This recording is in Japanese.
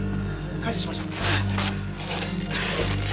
解除しましょう。